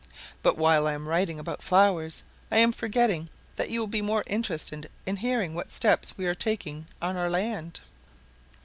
But while I am writing about flowers I am forgetting that you will be more interested in hearing what steps we are taking on our land.